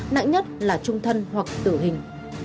nặng nhất là trung thân hoặc tử hình